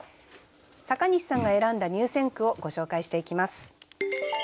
阪西さんが選んだ入選句をご紹介していきます。